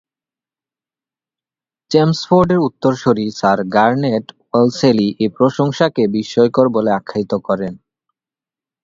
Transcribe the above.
চেমসফোর্ডের উত্তরসূরি sir Garnet Wolseley এ প্রশংসাকে "বিস্ময়কর" বলে আখ্যায়িত করেন।